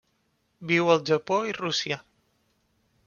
Viu al Japó i Rússia.